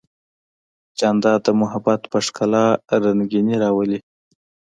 جانداد د محبت په ښکلا رنګینی راولي.